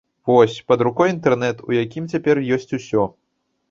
Вось, пад рукой інтэрнэт, у якім цяпер ёсць усё.